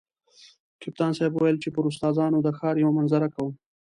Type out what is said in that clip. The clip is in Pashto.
کپتان صاحب ویل چې پر استادانو د ښار یوه منظره کوم.